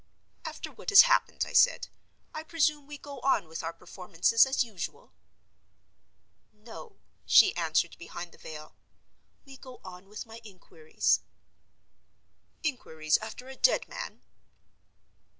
"After what has happened," I said, "I presume we go on with our performances as usual?" "No," she answered, behind the veil. "We go on with my inquiries." "Inquiries after a dead man?"